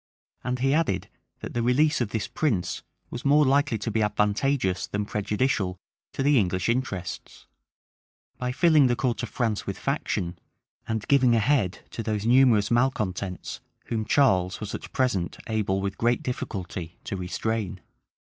And he added, that the release of this prince was more likely to be advantageous than prejudicial to the English interests; by filling the court of France with faction, and giving a head to those numerous malecontents whom Charles was at present able with great difficulty to restrain.